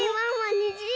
にじ！